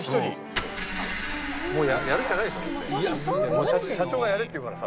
もう社長がやれって言うからさ。